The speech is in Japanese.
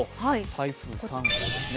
台風３号ですね。